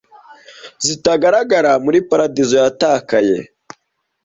zitagaragara muri paradizo yatakaye